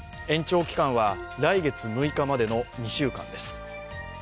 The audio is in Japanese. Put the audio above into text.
延長期間は来月６日までの２週間です。